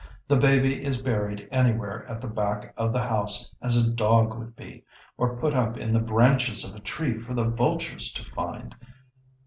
The baby is buried anywhere at the back of the house as a dog would be, or put up in the branches of a tree for the vultures to find.